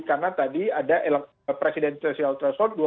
karena tadi ada presiden seseal transport